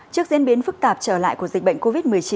trước diễn biến phức tạp trở lại của dịch bệnh covid một mươi chín